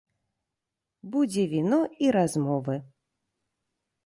Будзе віно і размовы!